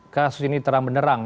kasus ini terang benerang